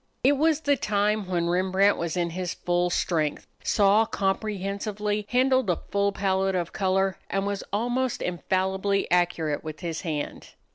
It was the time when Rembrandt was in his full strength, saw comprehensively, handled a full palette of color, and was almost infallibly accurate with his hand.